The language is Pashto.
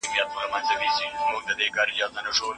انټرنیټ موږ له بېلابېلو مسایلو سره آشنا کوي.